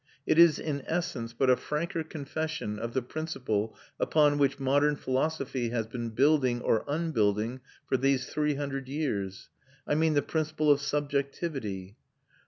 It is in essence but a franker confession of the principle upon which modern philosophy has been building or unbuilding for these three hundred years, I mean the principle of subjectivity.